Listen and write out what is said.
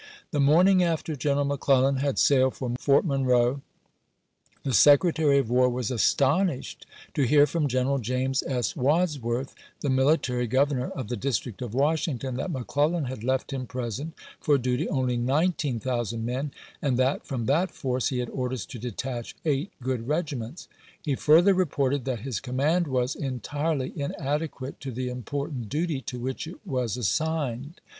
The morning after General McClellan had sailed for Fort Monroe, the Secretary of War was aston ished to hear from General James S. Wadsworth, 184 ABRAHAM LINCOLN CHAP. X. the military Governor of the District of Washing ton, that MeCleUan had left him present for duty only 19,000 men, and that from that force he had orders to detach eight good regiments. He further reported that his command was "entirely inade quate to the important duty to which it was as signed."